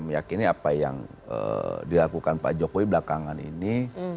meyakini apa yang dilakukan pak jokowi belakangan ini